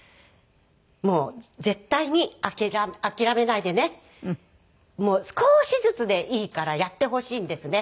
もう絶対に諦めないでね少しずつでいいからやってほしいんですね。